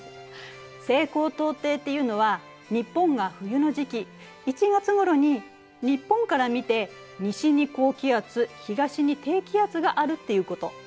「西高東低」っていうのは日本が冬の時期１月ごろに日本から見て西に高気圧東に低気圧があるっていうこと。